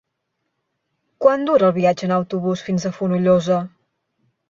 Quant dura el viatge en autobús fins a Fonollosa?